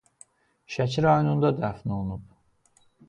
Şəki rayonunda dəfn olunub.